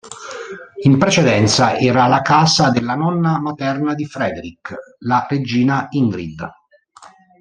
In precedenza era la casa della nonna materna di Frederik, la Regina Ingrid.